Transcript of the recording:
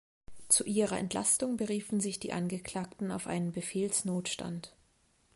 Zu ihrer Entlastung beriefen sich die Angeklagten auf einen Befehlsnotstand.